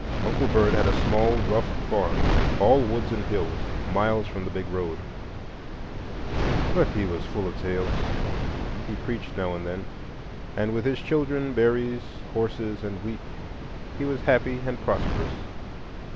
Uncle Bird had a small, rough farm, all woods and hills, miles from the big road; but he was full of tales,—he preached now and then,—and with his children, berries, horses, and wheat he was happy and prosperous.